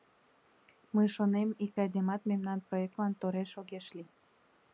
Мый шонем, ик айдемат мемнан проектлан тореш огеш лий.